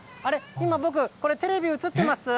今、僕、テレビ映ってます？